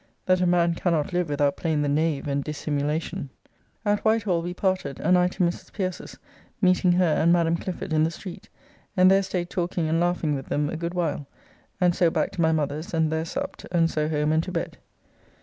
that a man cannot live without playing the knave and dissimulation. At Whitehall we parted, and I to Mrs. Pierce's, meeting her and Madam Clifford in the street, and there staid talking and laughing with them a good while, and so back to my mother's, and there supped, and so home and to bed.